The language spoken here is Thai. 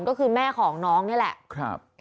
ก็คือแม่ของน้องนี่แหละ